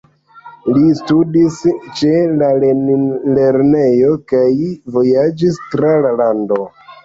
Li studis ĉe la Lenin-lernejo kaj vojaĝis tra la lando.